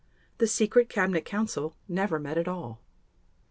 The Secret Cabinet Council never met at all.